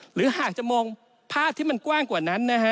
หรือหากจะมองภาพที่มันกว้างกว่านั้นนะฮะ